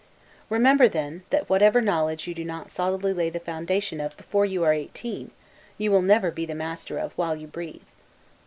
Remember, then, that whatever knowledge you do not solidly lay the foundation of before you are eighteen, you will never be the master of while you breathe.